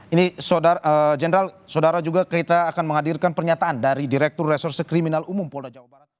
ini general saudara juga kita akan menghadirkan pernyataan dari direktur reserse kriminal umum polda jawa barat